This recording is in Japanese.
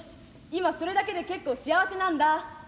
今それだけで結構幸せなんだ」。